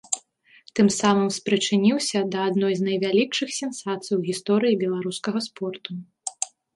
Тым самым спрычыніўся да адной з найвялікшых сенсацый у гісторыі беларускага спорту.